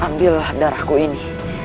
ambillah darahku ini